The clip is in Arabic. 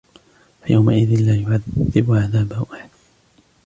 فَيَوْمَئِذٍ لَا يُعَذِّبُ عَذَابَهُ أَحَدٌ